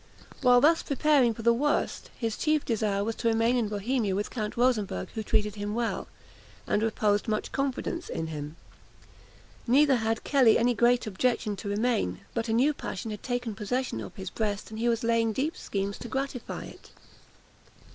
While thus preparing for the worst, his chief desire was to remain in Bohemia with Count Rosenberg, who treated him well, and reposed much confidence in him. Neither had Kelly any great objection to remain; but a new passion had taken possession of his breast, and he was laying deep schemes to gratify it.